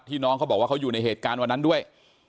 น้องเขาบอกว่าเขาอยู่ในเหตุการณ์วันนั้นด้วย